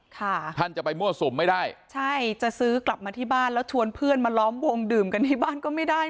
ท่านจะไปมั่วสุมไม่ได้ใช่จะซื้อกลับมาที่บ้านแล้วชวนเพื่อนมาล้อมวงดื่มกันที่บ้านก็ไม่ได้